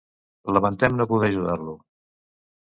Lamentem no poder ajudar-lo.